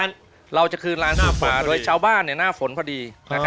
เราจะคืณล้านสู่ป่าโดยในบ้านหน้าฝนพอดี